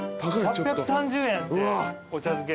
８３０円ってお茶漬け。